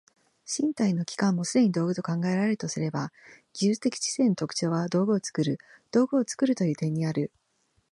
身体の器官もすでに道具と考えられるとすれば、技術的知性の特徴は道具を作る道具を作るという点にある。